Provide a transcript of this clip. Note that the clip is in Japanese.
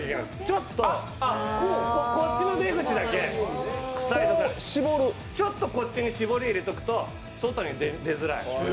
ちょっとこっちの出口だけ、ちょっとこっちに絞り入れておくと外に出づらい。